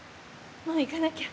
もう行かなきゃ。